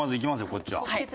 こっちは。